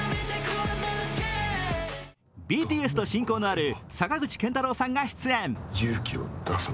ＢＴＳと親交のある坂口健太郎さんが出演。